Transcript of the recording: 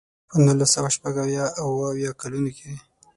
په نولس سوه شپږ اویا او اوه اویا کلونو کې.